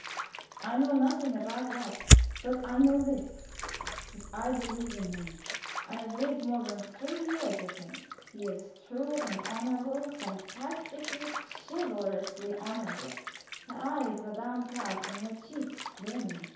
I know nothing about that, but I know this that I believe in him. I have lived more than three years with him; he is true and honorable; fantastically, chivalrously honorable" (her eyes were downcast and her cheeks burning).